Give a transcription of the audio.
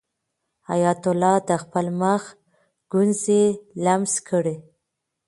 حیات الله د خپل مخ ګونځې لمس کړې.